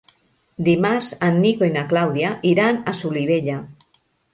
Dimarts en Nico i na Clàudia iran a Solivella.